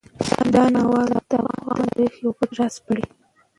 دا ناول د افغان تاریخ یو پټ راز سپړي.